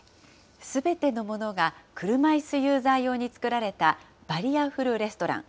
すべてのものが車いすユーザー用に作られた、バリアフルレストラン。